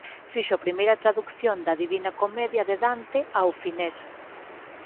Fixo a primeira tradución da "Divina Comedia" de Dante ao finés.